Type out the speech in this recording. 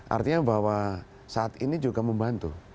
artinya bahwa saat ini juga membantu